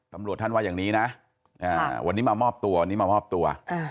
สำรวจท่านว่าอย่างนี้นะวันนี้มามอบตัว